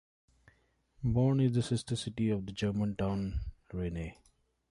Borne is the sister city of the German town Rheine.